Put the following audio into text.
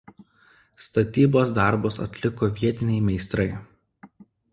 Statybos darbus atliko vietiniai meistrai.